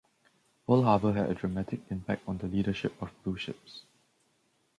Pearl Harbor had a dramatic impact on the leadership of BuShips.